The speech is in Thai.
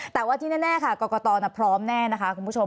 แต่ว่าที่แน่ค่ะกรกตพร้อมแน่นะคะคุณผู้ชม